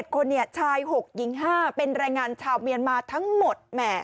คนชาย๖หญิง๕เป็นแรงงานชาวเมียนมาทั้งหมด